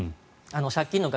借金の額